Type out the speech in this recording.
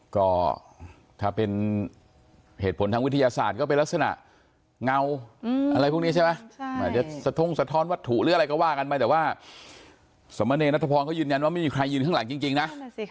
ก็ถ้าเป็นเหตุผลทางวิทยาศาสตร์ก็เป็นลักษณะเงาอะไรพวกนี้ใช่ไหมจะสะท้งสะท้อนวัตถุหรืออะไรก็ว่ากันไปแต่ว่าสมเนรนัทพรเขายืนยันว่าไม่มีใครยืนข้างหลังจริงนะ